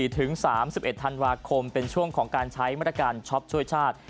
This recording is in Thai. ถึง๓๑ธันวาคมเป็นช่วงของการใช้มาตรการช็อปช่วยชาติ